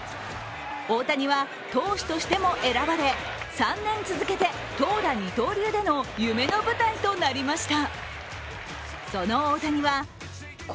大谷は投手としても選ばれ３年続けて投打二刀流での夢の舞台となりました。